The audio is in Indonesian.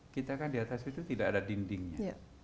kita kan di atas itu tidak ada dindingnya